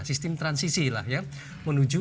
sistem transisi lah ya menuju